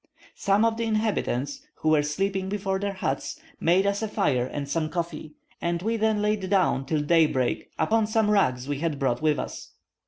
Some of the inhabitants, who were sleeping before their huts, made us a fire and some coffee, and we then laid down till daybreak upon some rugs we had brought with us.